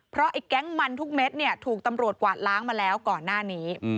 เพราะไอ้แก๊งมันทุกเม็ดเนี่ยถูกตำรวจกวาดล้างมาแล้วก่อนหน้านี้